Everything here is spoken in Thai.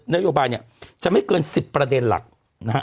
นโยบายเนี่ยจะไม่เกิน๑๐ประเด็นหลักนะฮะ